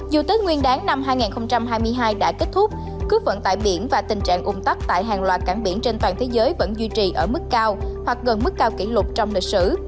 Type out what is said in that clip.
dù tết nguyên đáng năm hai nghìn hai mươi hai đã kết thúc vận tải biển và tình trạng ủng tắc tại hàng loạt cảng biển trên toàn thế giới vẫn duy trì ở mức cao hoặc gần mức cao kỷ lục trong lịch sử